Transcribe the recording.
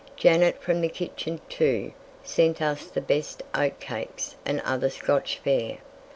Janet, from the kitchen, too, sent us the best oatcakes and other Scotch fare.